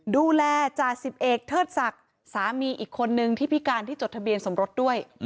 จ่าสิบเอกเทิดศักดิ์สามีอีกคนนึงที่พิการที่จดทะเบียนสมรสด้วย